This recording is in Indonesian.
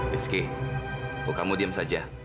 rizky kamu diam saja